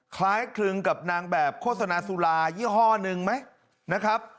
คล้ายคลึงกับนางแบบโฆษณาสุรายี่ห้อหนึ่งไหมนะครับ